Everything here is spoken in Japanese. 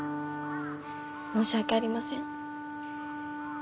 申し訳ありません。